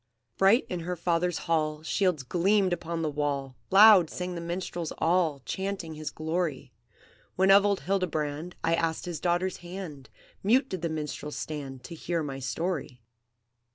"Bright in her father's hall Shields gleamed upon the wall, Loud sang the minstrels all, Chanting his glory; When of old Hildebrand I asked his daughter's hand, Mute did the minstrels stand To hear my story.